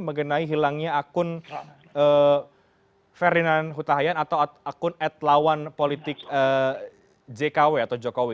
mengenai hilangnya akun ferdinand hutahian atau akun ad lawan politik jkw atau jokowi